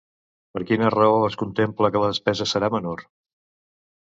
Per quina raó es contempla que la despesa serà menor?